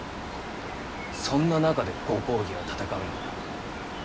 そんな中でご公儀は戦うのだ。